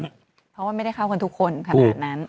เพราะว่าไม่ได้เข้ากันทุกคนขนาดนั้น